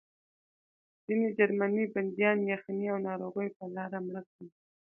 ځینې جرمني بندیان یخنۍ او ناروغۍ په لاره مړه کړل